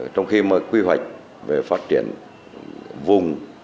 trong khi mà quy hoạch về phát triển vùng